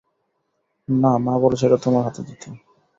না, মা বলেছে এটা তোমার হাতে দিতে।